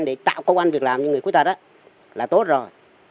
để tạo công an việc làm như người khuất tật á là tốt rồi